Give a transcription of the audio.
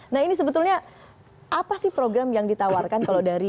nah ini sebetulnya apa sih program yang ditawarkan kalau dari